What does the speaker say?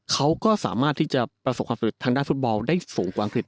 เขาก็สามารถที่จะประสบความสำเร็จทางด้านฟุตบอลได้สูงกว่าอังกฤษ